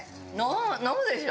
飲むでしょ？